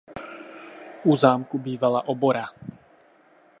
U zámku bývala obora.